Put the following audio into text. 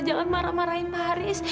jangan marah marahi pak haris